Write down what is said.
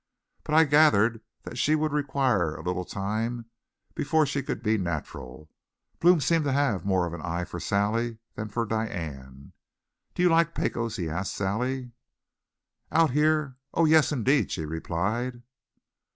But I gathered that she would require a little time before she could be natural. Blome seemed to have more of an eye for Sally than for Diane. "Do you like Pecos?" he asked Sally. "Out here? Oh, yes, indeed!" she replied.